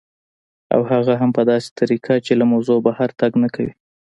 او هغه هم په داسې طریقه چې له موضوع بهر تګ نه کوي